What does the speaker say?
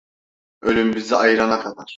Ölüm bizi ayırana kadar.